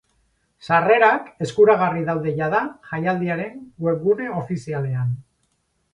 Sarrerak eskuragarri daude jada jaialdiaren webgune ofizialean.